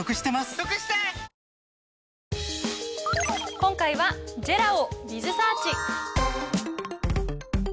今回はＪＥＲＡを。